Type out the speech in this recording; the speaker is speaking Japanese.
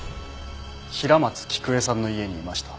平松喜久恵さんの家にいました。